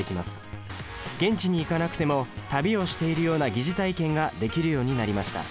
現地に行かなくても旅をしているような疑似体験ができるようになりました。